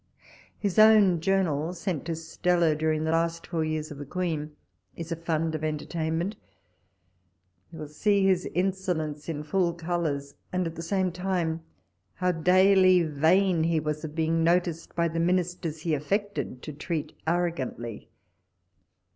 His own journal sent to Stella during the last four years of the Queen is a fund of entertainment. You will see his insolence in full colours, and, at the same time, how daily vain he was of being noticed by the Ministers he affected to treat arrogantly.